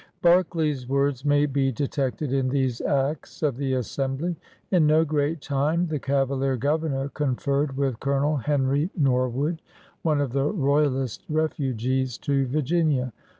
'* Berkeley's words may be detected in these acts of the Assembly. In no great time the Cavalier Governor conferred with Colonel Henry Norwood, one of the royalist refugees to Virginia.